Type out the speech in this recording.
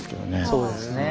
そうですねえ。